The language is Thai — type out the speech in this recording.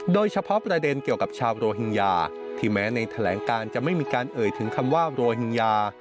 โดยเฉพาะประเด็นเกี่ยวกับชาวโรฮิงญาที่แม้ในแถลงการจะไม่มีการเอ่ยถึงคำว่าโรฮิงญา